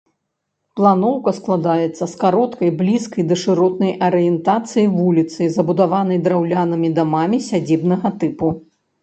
Планоўка складаецца з кароткай, блізкай да шыротнай арыентацыі вуліцы, забудаванай драўлянымі дамамі сядзібнага тыпу.